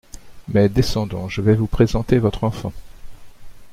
Mais, descendons, je vais vous présenter votre enfant.